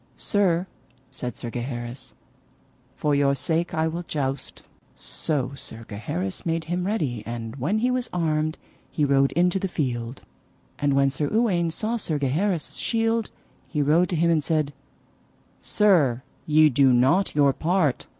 Sir, said Sir Gaheris, for your sake I will joust. So Sir Gaheris made him ready, and when he was armed he rode into the field. And when Sir Uwaine saw Sir Gaheris' shield he rode to him and said: Sir, ye do not your part.